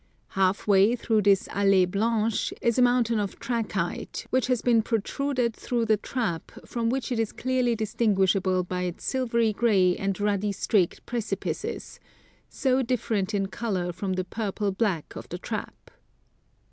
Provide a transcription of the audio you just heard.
Half way through this All^e Blanche is a mountain of trachyte, which has been protruded through the trap, from which it is clearly distinguish able by its silvery gray and ruddy streaked precipices, so different in colour from the purple black of the trap.